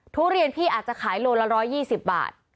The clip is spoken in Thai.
ทุเรียนพี่อาจจะขายโลละ๑๒๐บาท